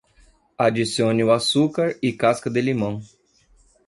Adicione o açúcar e casca de limão.